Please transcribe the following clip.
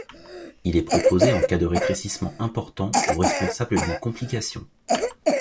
Il est proposé en cas de rétrécissement important ou responsable d'une complication.